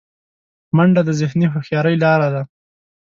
منډه د ذهني هوښیارۍ لاره ده